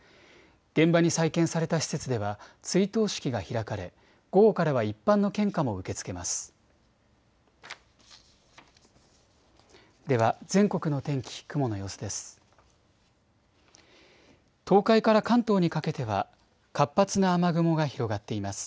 現場に再建された施設では追悼式が開かれ午後からは一般の献花も受け付けます。